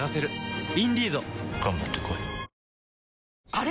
あれ？